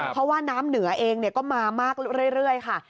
เพราะว่าน้ำเหนือเองก็มามากเรื่อยค่ะ